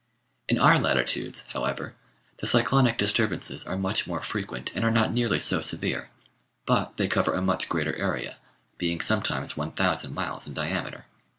In our latitudes, however, the cyclonic disturbances are much more frequent and are not nearly so severe ; but they cover a much greater area, being sometimes 1,000 miles in diameter.